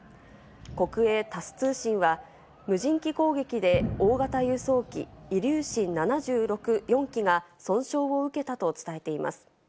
国営タス通信は無人機攻撃で大型輸送機「イリューシン７６」４機が損傷を受けたと伝えています。